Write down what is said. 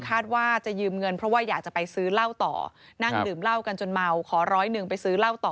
ว่าจะยืมเงินเพราะว่าอยากจะไปซื้อเหล้าต่อนั่งดื่มเหล้ากันจนเมาขอร้อยหนึ่งไปซื้อเหล้าต่อ